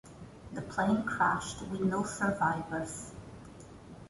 The plane crashed with no survivors.